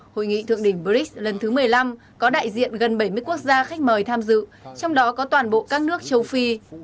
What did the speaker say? hội nghị thượng đỉnh brics lần thứ một mươi năm có đại diện gần bảy mươi quốc gia khách mời tham dự trong đó có toàn bộ các nước châu phi